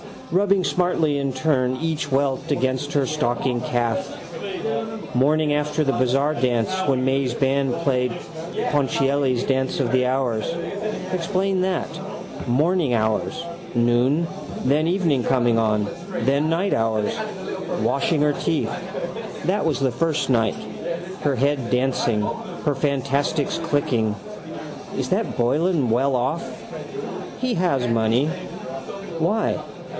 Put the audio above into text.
Rubbing smartly in turn each welt against her stockinged calf. Morning after the bazaar dance when May's band played Ponchielli's dance of the hours. Explain that: morning hours, noon, then evening coming on, then night hours. Washing her teeth. That was the first night. Her head dancing. Her fansticks clicking. Is that Boylan well off? He has money. Why?